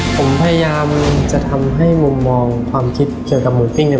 ผมพยายามจะทำให้มุมมองความคิดเจอกับหมูซิ่งเนี่ย